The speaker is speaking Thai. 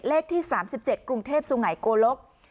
เลขที่๓๗กรุงเทพศ์สูงไหนโกลก